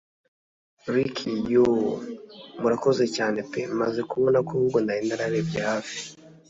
Ricky yooo Murakoze cyane pe maze kubona ko ahubwo nari nararebye hafi